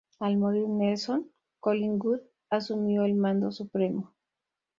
Al morir Nelson, Collingwood asumió el mando supremo.